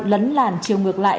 lấn làn chiều ngược lại